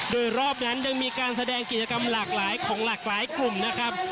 โดยรอบนั้นยังมีการแสดงกิจกรรมหลากหลายของหลากหลายกลุ่มนะครับ